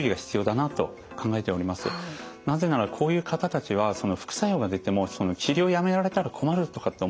なぜならこういう方たちは副作用が出ても治療をやめられたら困るとかって思ってですね